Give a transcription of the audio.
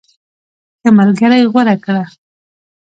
ښه ملګری غوره کړه.